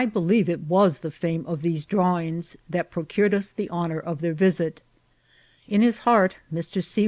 Ueye it was the fSBime of these drawings that procured us the honour of their visit. In his heart Mr. C.